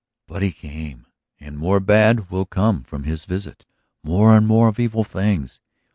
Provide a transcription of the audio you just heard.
"But he came and more bad will come from his visit, more and more of evil things.